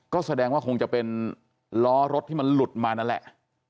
ก็แสดงว่าคงจะเป็นล้อรถที่มันหลุดมานั่นแหละ